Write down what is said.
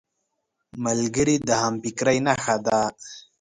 ملګری د همفکرۍ نښه ده